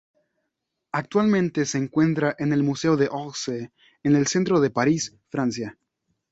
Actualmente se encuentra en el Museo de Orsay, en el centro de París, Francia.